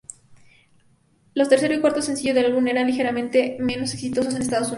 Los tercer y cuarto sencillo del álbum, eran ligeramente menos exitosos en Estados Unidos.